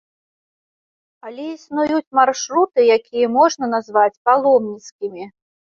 Але існуюць маршруты, якія можна назваць паломніцкімі.